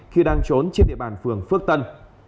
khi đang trốn trên địa bàn phường phước tân